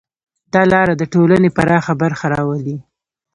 دا لاره د ټولنې پراخه برخه راولي.